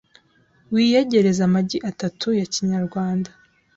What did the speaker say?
wiyegereza amagi atatu ya kinyarwanda